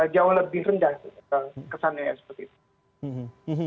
jauh lebih rendah kesannya seperti itu